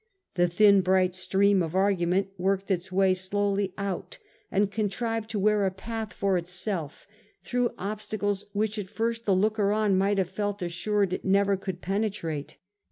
The thin bright stream of argument workfed its way slowly out and contrived to wear a path for itself through obstacles which at first the looker on might have felt assured it never could penetrate.